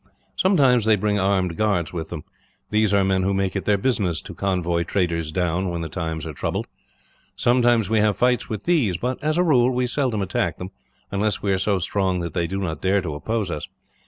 Sometimes they bring armed guards with them. These are men who make it their business to convoy traders down, when the times are troubled. Sometimes we have fights with these but, as a rule, we seldom attack them unless we are so strong that they do not dare to oppose us.